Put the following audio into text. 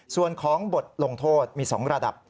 ส่วนของบทลงโทษมี๒ระดับ